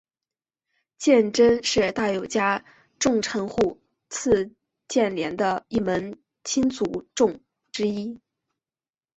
鉴贞是大友家重臣户次鉴连的一门亲族众之一。